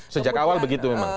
sejak awal begitu memang